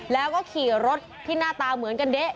แล้วก็ขี่รถที่หน้าตาเหมือนกันเด๊ะ